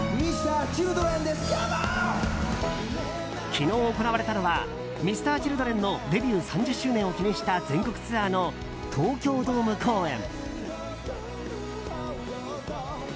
昨日、行われたのはＭｒ．Ｃｈｉｌｄｒｅｎのデビュー３０周年を記念した全国ツアーの東京ドーム公演。